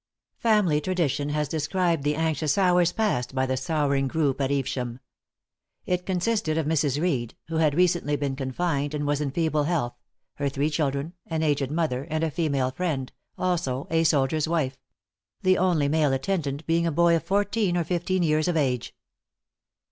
Family tradition has described the anxious hours passed by the sorrowing group at Evesham. It consisted of Mrs. Reed, who had recently been confined, and was in feeble health, her three children, an aged mother, and a female friend, also a soldier's wife: the only male attendant being a boy of fourteen or fifteen years of age.